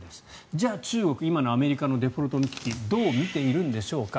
じゃあ中国、今のアメリカのデフォルトの危機どう見ているんでしょうか。